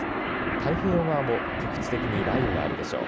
太平洋側も局地的に雷雨があるでしょう。